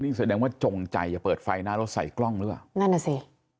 นี่แสดงว่าจงใจอย่าเปิดไฟหน้ารถใส่กล้องด้วยนั่นแหละสิ